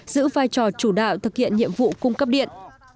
giữ vai trò chủ đạo thực hiện nhiệm vụ cung cấp điện